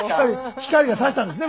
光がさしたんですね